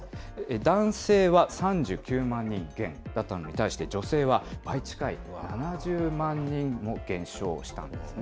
男性は３９万人減だったのに対して、女性は倍近い７０万人も減少したんですね。